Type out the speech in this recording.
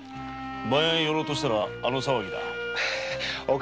番屋へ寄ろうとしたらあの騒ぎだ。